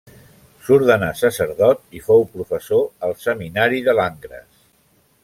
S'ordenà sacerdot i fou professor al seminari de Langres.